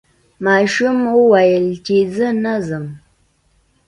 ماشوم وویل چې زه نه ځم.